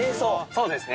そうですね。